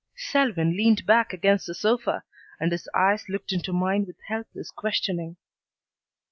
Selwyn leaned back against the sofa, and his eyes looked into mine with helpless questioning.